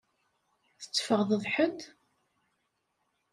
Tetteffɣeḍ d ḥedd?